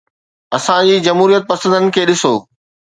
اسان جي جمهوريت پسندن کي ڏسو.